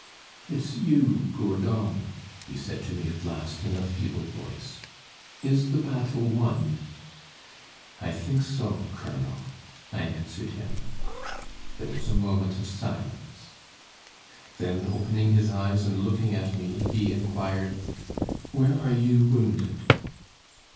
"It's you, Gourdon," he said to me at last, in a feeble voice; "is the battle won?" "I think so, colonel," I answered him. There was a moment of silence. Then, opening his eyes and looking at me, he inquired "Where are you wounded?"